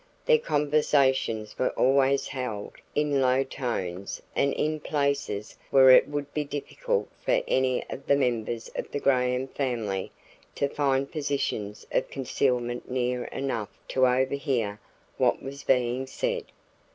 Their conversations were always held in low tones and in places where it would be difficult for any of the members of the Graham family to find positions of concealment near enough to overhear what was being said.